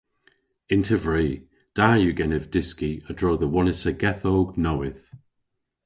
Yn tevri. Da yw genev dyski a-dro dhe wonisogethow nowydh.